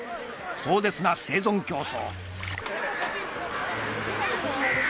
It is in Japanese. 壮絶な生存競争。